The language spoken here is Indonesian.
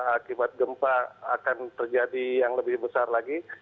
akibat gempa akan terjadi yang lebih besar lagi